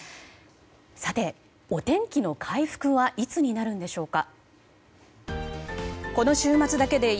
お天気の回復はいつになるんでしょうか。